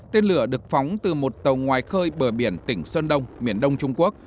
tên lửa được phóng từ một tàu ngoài khơi bờ biển tỉnh sơn đông miền đông trung quốc